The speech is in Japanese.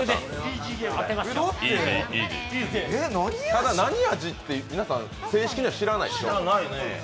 ただ何味って皆さん、正式には知らないですよね？